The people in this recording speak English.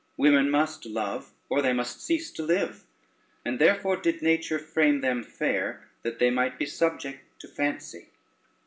Women must love, or they must cease to live; and therefore did nature frame them fair, that they might be subjects to fancy.